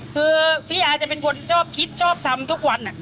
คือพี่อาจะเป็นคนชอบคิดชอบทำทุกวัน